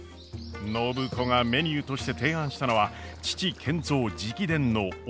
暢子がメニューとして提案したのは父賢三直伝の沖縄そば！